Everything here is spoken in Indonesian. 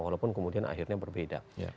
walaupun kemudian akhirnya berbeda